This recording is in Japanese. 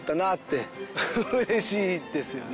嬉しいですよね。